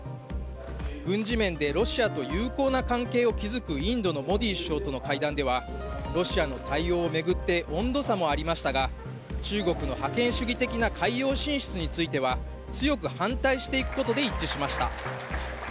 軍事麺でロシアで友好な関係を築くインドのモディ首相との会談ではロシアの対応を巡って温度差もありましたが中国の覇権主義的な海洋進出については強く反対していくことで一致しました。